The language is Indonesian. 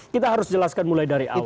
kita harus jelaskan mulai dari awal